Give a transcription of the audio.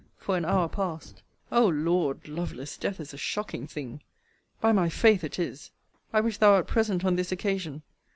for an hour past. O Lord! Lovelace, death is a shocking thing! by my faith it is! I wish thou wert present on this occasion.